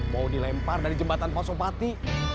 mau dilempar dari jembatan pasopati